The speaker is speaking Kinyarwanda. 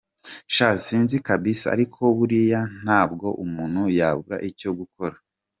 Sha sinzi kabisa ariko buriya ntabwo umuntu yabura icyo gukora.